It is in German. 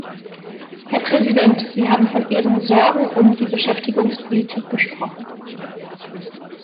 Herr Präsident! Sie haben von Ihren Sorgen um die Beschäftigungspolitik gesprochen.